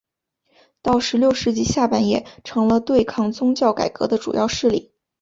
到十六世纪下半叶成了对抗宗教改革的主要势力。